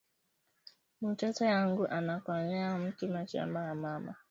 Mutoto yangu ana koyolea mu mashamba ya mama